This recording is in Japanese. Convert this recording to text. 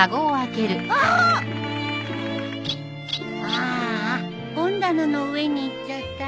ああ本棚の上に行っちゃったよ。